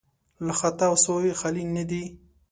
له خطا او سهوی خالي نه دي.